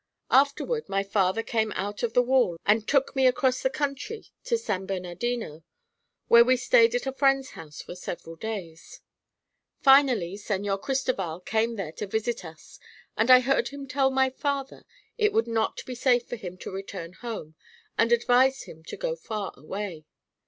Afterward my father came out of the wall and took me across the country to San Bernardino, where we stayed at a friend's house for several days. Finally Señor Cristoval came there to visit us and I heard him tell my father it would not be safe for him to return home and advised him to go far away.